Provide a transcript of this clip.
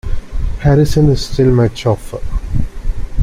Harrison is still my chauffeur.